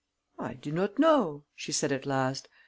"I do not know," she said at last.